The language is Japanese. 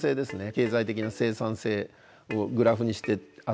経済的な生産性をグラフにしてあって。